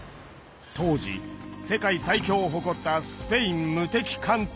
当時世界最強を誇ったスペイン無敵艦隊の襲来です。